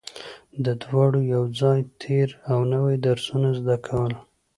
او دواړو به يو ځای تېر او نوي درسونه زده کول